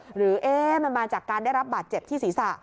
หรือมันมาจากการได้รับบาดเจ็บที่ศีรษะ